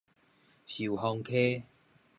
壽豐溪